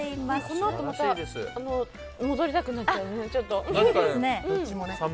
このあとまた戻りたくなっちゃうね。